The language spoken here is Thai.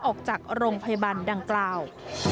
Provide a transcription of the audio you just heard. ออกจากโรงพยาบาลดังกล่าว